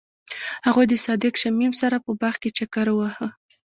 هغوی د صادق شمیم سره په باغ کې چکر وواهه.